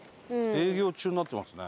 「営業中」になってますね。